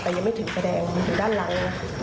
แต่ยังไม่ถึงไฟแดงอยู่ด้านหลัง